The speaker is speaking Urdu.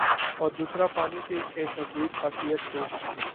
اور دوسرا پانی کی ایک عجیب خاصیت تھی